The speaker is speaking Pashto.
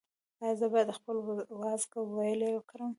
ایا زه باید خپل وازګه ویلې کړم؟